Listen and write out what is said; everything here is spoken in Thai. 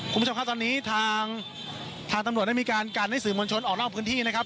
คุณผู้ชมครับตอนนี้ทางทางตำรวจได้มีการกันให้สื่อมวลชนออกนอกพื้นที่นะครับ